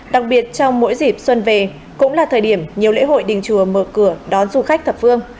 đặc biệt trong mỗi dịp xuân về cũng là thời điểm nhiều lễ hội đình chùa mở cửa đón du khách thập phương